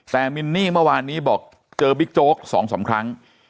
แต่มินนี่เมื่อวานนี้บอกเจอบิ๊กโจ๊ก๒๓ครั้ง